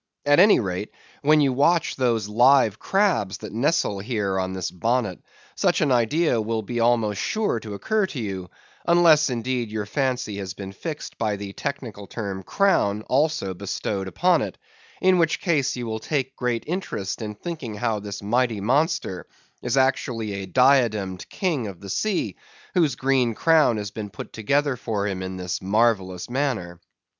At any rate, when you watch those live crabs that nestle here on this bonnet, such an idea will be almost sure to occur to you; unless, indeed, your fancy has been fixed by the technical term "crown" also bestowed upon it; in which case you will take great interest in thinking how this mighty monster is actually a diademed king of the sea, whose green crown has been put together for him in this marvellous manner.